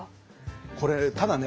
これただね